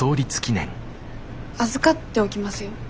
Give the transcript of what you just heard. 預かっておきますよ。